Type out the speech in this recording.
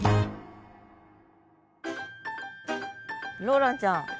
ローランちゃん